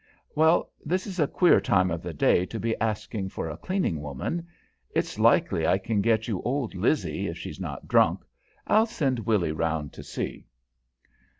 "Well, this is a queer time of the day to be asking for a cleaning woman. It's likely I can get you old Lizzie, if she's not drunk. I'll send Willy round to see."